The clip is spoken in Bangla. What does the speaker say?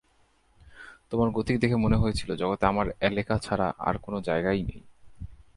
তোমার গতিক দেখে মনে হয়েছিল, জগতে আমার এলেকা ছাড়া আর-কোনো জায়গাই নেই।